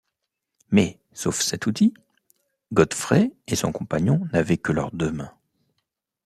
Mais, sauf cet outil, Godfrey et son compagnon n’avaient que leurs deux mains.